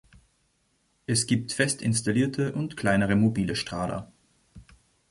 Es gibt fest installierte und kleinere mobile Strahler.